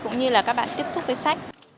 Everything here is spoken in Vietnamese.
cũng như là các bạn tiếp xúc với sách